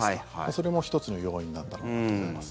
それも１つの要因なんだろうなと思います。